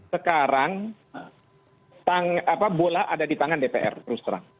sekarang bola ada di tangan dpr